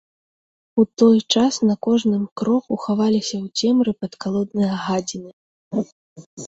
У той час на кожным кроку хаваліся ў цемры падкалодныя гадзіны.